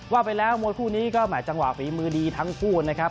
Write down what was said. ว่าไปแล้วมวยคู่นี้ก็แห่จังหวะฝีมือดีทั้งคู่นะครับ